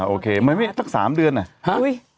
โอเคไม่มีตั้งสามเดือนเนี่ย